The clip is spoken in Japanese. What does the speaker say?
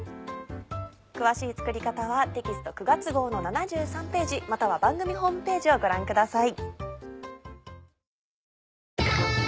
詳しい作り方はテキスト９月号の７３ページまたは番組ホームページをご覧ください。